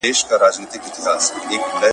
• توري نورو ځوانانو ووهلې، منصب سدو وخوړ.